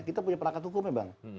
kita punya perangkat hukum ya bang